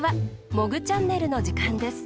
「モグチャンネル」のじかんです。